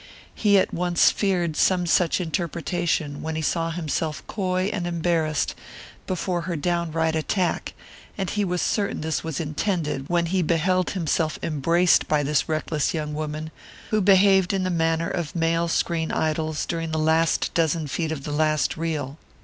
He at once feared some such interpretation when he saw himself coy and embarrassed before her down right attack, and he was certain this was intended when he beheld himself embraced by this reckless young woman who behaved in the manner of male screen idols during the last dozen feet of the last reel.